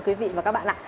quý vị và các bạn ạ